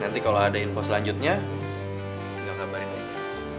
nanti kalau ada info selanjutnya tinggal kabarin aja